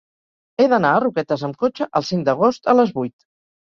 He d'anar a Roquetes amb cotxe el cinc d'agost a les vuit.